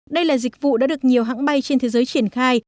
đây là dịch vụ đã được nhiều hãng bay trên thế giới triển khai